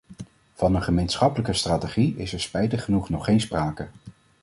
Van een gemeenschappelijke strategie is er spijtig genoeg nog geen sprake.